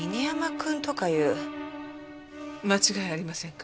間違いありませんか？